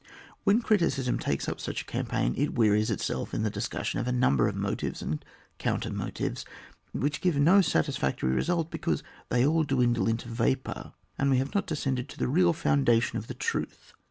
When criticism takes up sudi a campaign, it wearies itself in the discussion of a number of motives and counter motives, which give no satisfactory result, because they all dwindle into vapour, and we have not des cended to the real foundation of the truth.